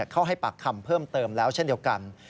เข้าให้ปากคำเพิ่มเติมแล้วเช่นเดียวกัน